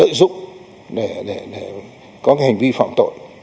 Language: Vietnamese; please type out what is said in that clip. lợi dụng để có hành vi phạm tội